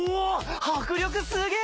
迫力すげぇ！